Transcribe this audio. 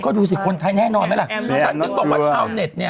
ก็ดูสิคนไทยแน่นอนไหมล่ะฉันถึงบอกว่าชาวเน็ตเนี่ย